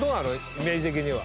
イメージ的には。